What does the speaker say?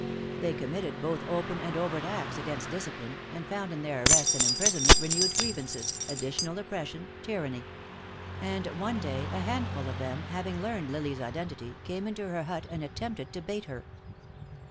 They committed both open and overt acts against discipline, and found in their arrest and imprisonment renewed grievances, additional oppression, tyranny. And one day a handful of them, having learned Lily's identity, came into her hut and attempted to bait her.